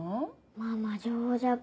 ママ情弱。